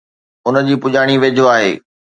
ان جي پڄاڻي ويجهو آهي